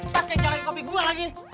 sesejak lagi kopi gue lagi